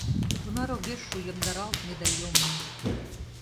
Тунар огеш шу йомдаралтме да йоммо!